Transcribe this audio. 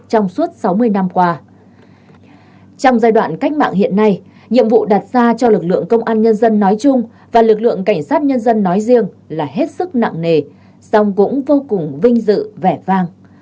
trong suốt sáu mươi năm qua trong giai đoạn cách mạng hiện nay nhiệm vụ đặt ra cho lực lượng công an nhân dân nói chung và lực lượng cảnh sát nhân dân nói riêng là hết sức nặng nề song cũng vô cùng vinh dự vẻ vang